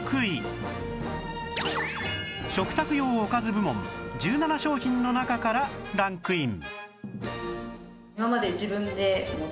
食卓用おかず部門１７商品の中からランクイン